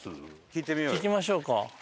聞きましょうか。